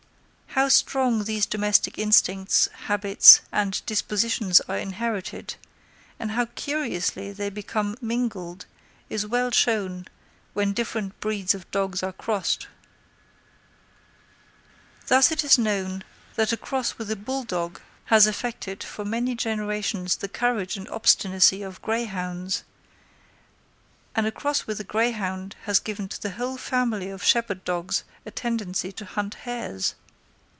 How strongly these domestic instincts, habits, and dispositions are inherited, and how curiously they become mingled, is well shown when different breeds of dogs are crossed. Thus it is known that a cross with a bull dog has affected for many generations the courage and obstinacy of greyhounds; and a cross with a greyhound has given to a whole family of shepherd dogs a tendency to hunt hares.